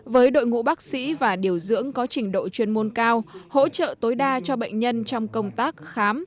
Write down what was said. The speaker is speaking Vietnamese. với đội ngũ bác sĩ và điều dưỡng có trình độ chuyên môn cao hỗ trợ tối đa cho bệnh nhân trong công tác khám